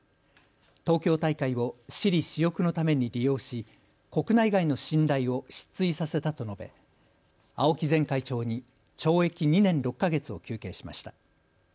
東京大会を私利私欲のために利用し、国内外の信頼を失墜させたと述べ青木前会長に懲役２年６か月を求刑しました。